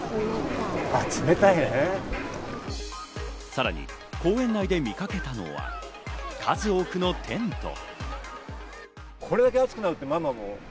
さらに公園内で見かけたのは、数多くのテント。